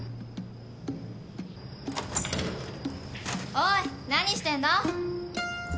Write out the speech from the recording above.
おい何してんだ？